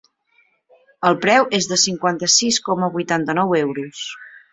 El preu és de cinquanta-sis coma vuitanta-nou euros.